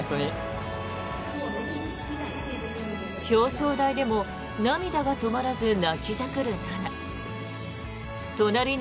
表彰台でも涙が止まらず泣きじゃくる菜那。